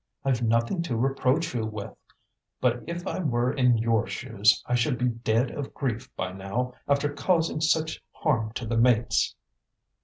I've nothing to reproach you with; but if I were in your shoes I should be dead of grief by now after causing such harm to the mates."